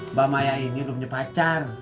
mbak maya ini udah punya pacar